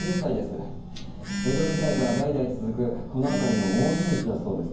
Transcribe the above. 江戸時代から代々続くこの辺りの大地主だそうです。